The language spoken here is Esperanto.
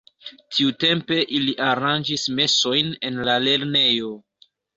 Tiutempe ili aranĝis mesojn en la lernejo.